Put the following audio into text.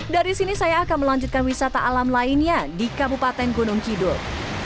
dari sini saya akan melanjutkan wisata alam lainnya di kabupaten gunung kidul